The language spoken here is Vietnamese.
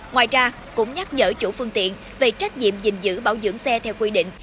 ngoài ra cũng nhắc nhở chủ phương tiện về trách nhiệm dình dữ bảo dưỡng xe theo quy định